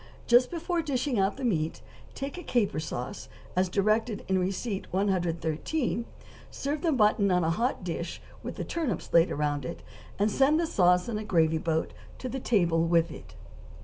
Just before dishing the meat, make a caper sauce, as directed in receipt No. 113; serve the mutton on a hot dish, with the turnips laid around it, and send the sauce in a gravy boat to the table with it.